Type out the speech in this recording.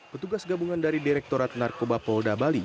petugas gabungan dari direktorat narkoba polda bali